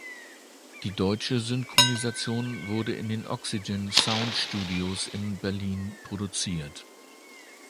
Die deutsche Synchronisation wurde in den Oxygen Sound Studios in Berlin produziert.